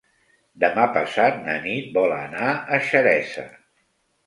Demà passat na Nit vol anar a Xeresa.